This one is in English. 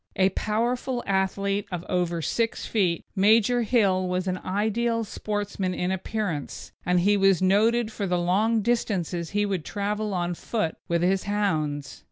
A powerful athlete of over six feet, Major Hill was an ideal sportsman in appearance, and he was noted for the long distances he would travel on foot with his hounds.